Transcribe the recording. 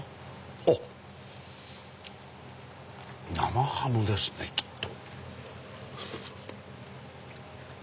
おっ生ハムですねきっと。